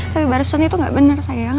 tapi barusan itu gak bener sayang